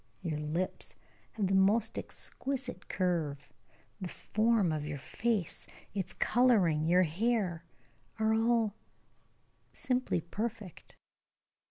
Your lips have the most exquisite curve. The form of your face, its coloring, your hair, are all simply perfect!"